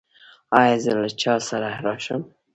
ایا زه له چا سره راشم؟